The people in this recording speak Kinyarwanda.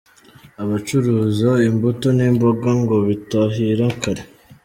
Abacuruza imbuto n’imboga ngo bitahira kare.